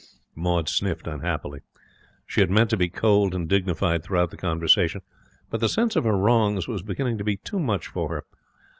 Maud sniffed unhappily. She had meant to be cold and dignified throughout the conversation, but the sense of her wrongs was beginning to be too much for her.